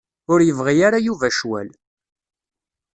Ur yebɣi ara Yuba ccwal.